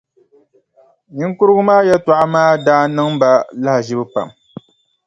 Niŋkurugu maa yɛltɔɣa maa daa niŋ ba lahaʒibu pam.